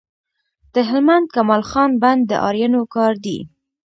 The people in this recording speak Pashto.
د هلمند کمال خان بند د آرینو کار دی